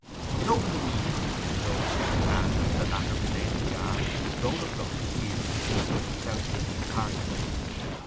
It opened immediately from the door; and, as the latter remained ajar, Rhoda Brook could see the proceedings without taking part in them.